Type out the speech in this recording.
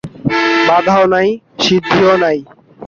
বাধাও নাই, সিদ্ধিও নাই।